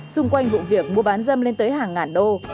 xung quanh vụ việc mua bán dâm lên tới hàng ngàn đô